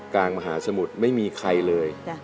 กลางมหาสมุทรไม่มีใครเลย